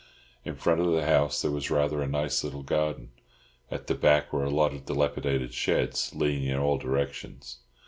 In front of the house there was rather a nice little garden. At the back were a lot of dilapidated sheds, leaning in all directions.